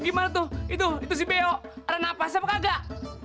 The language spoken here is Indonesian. gimana tuh itu itu si beo ada napas apa kagak